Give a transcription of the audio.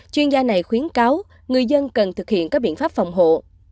chuyên gia này khuyến cáo người dân cần thực hiện các biện pháp phòng hộ